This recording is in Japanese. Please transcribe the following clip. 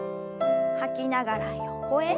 吐きながら横へ。